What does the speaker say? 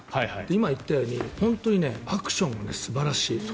今言ったように本当にアクションが素晴らしい。